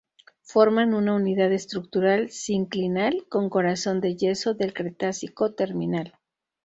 Forman una unidad estructural sinclinal con corazón de yesos del Cretácico terminal.